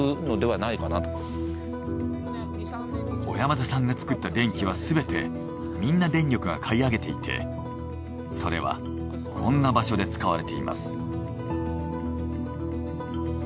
小山田さんが作った電気はすべてみんな電力が買い上げていてそれはこんな場所で使われています。